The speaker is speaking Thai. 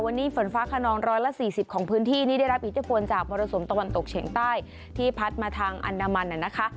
วันนี้ฝนฟ้าขนองร้อยละ๔๐ของพื้นที่นี่ได้รับอิทธิพลจากมรสุมตะวันตกเฉียงใต้ที่พัดมาทางอันดามันนะคะ